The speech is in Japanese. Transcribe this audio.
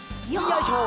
よいしょ